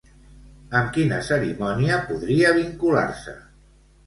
Amb quina cerimònia podria vincular-se?